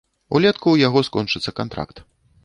Улетку ў яго скончыцца кантракт.